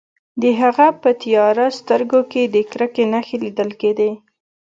د هغه په تیاره سترګو کې د کرکې نښې لیدل کیدې